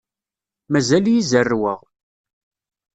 Mazal-iyi zerrweɣ.